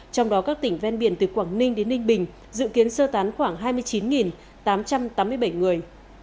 trong đó các tỉnh ven biển từ quảng ninh đến ninh bình dự kiến sơ tán khoảng hai mươi chín tám trăm tám mươi bảy người